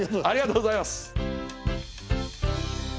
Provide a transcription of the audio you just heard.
ありがとうございます。